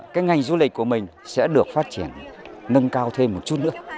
cái ngành du lịch của mình sẽ được phát triển nâng cao thêm một chút nữa